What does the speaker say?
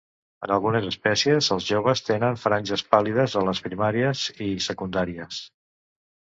En algunes espècies els joves tenen franges pàl·lides a les primàries i secundàries.